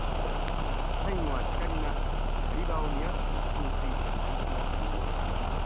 最後はシカリが狩り場を見渡す位置について配置が完了します。